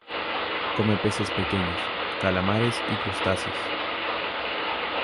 Come peces pequeños, calamares y crustáceos.